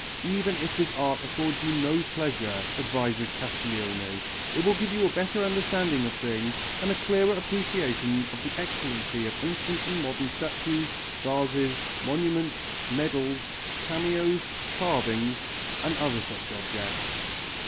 "Even if this art affords you no pleasure," advises Castiglione, "it will give you a better understanding of things, and a clearer appreciation of the excellency of ancient and modern statues, vases, monuments, medals, cameos, carvings, and other such objects."